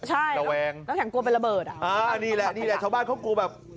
ใช่ระแวงน้ำแข็งกลัวเป็นระเบิดอ่ะอ่านี่แหละนี่แหละชาวบ้านเขากลัวแบบ